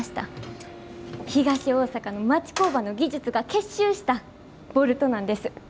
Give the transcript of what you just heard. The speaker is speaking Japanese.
東大阪の町工場の技術が結集したボルトなんです。